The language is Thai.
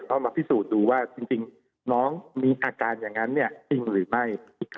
เอามาพิสูจน์ดูว่าจริงน้องมีอาการอย่างนั้นจริงหรือไม่